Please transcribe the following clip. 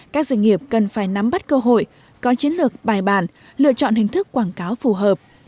các doanh nghiệp cần phải nắm bắt cơ hội có chiến lược bài bản lựa chọn hình thức quảng cáo phù hợp